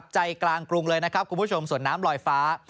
ใจกลางกรุงเลยนะครับคุณผู้ชมสวนน้ำลอยฟ้า